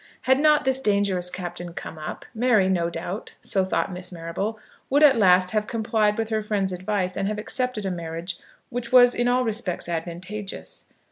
Had not this dangerous captain come up, Mary, no doubt, so thought Miss Marrable, would at last have complied with her friends' advice, and have accepted a marriage which was in all respects advantageous.